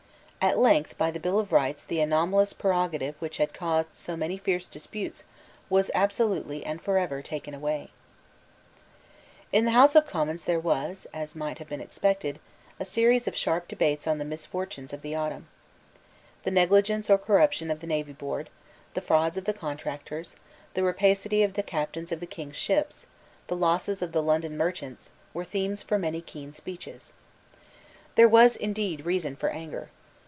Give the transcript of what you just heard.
At length by the Bill of Rights the anomalous prerogative which had caused so many fierce disputes was absolutely and for ever taken away, In the House of Commons there was, as might have been expected, a series of sharp debates on the misfortunes of the autumn. The negligence or corruption of the Navy Board, the frauds of the contractors, the rapacity of the captains of the King's ships, the losses of the London merchants, were themes for many keen speeches. There was indeed reason for anger.